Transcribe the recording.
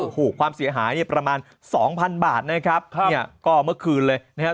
โอ้โหความเสียหายประมาณ๒๐๐๐บาทนะครับก็เมื่อคืนเลยนะครับ